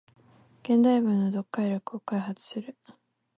現代文の読解力を開発する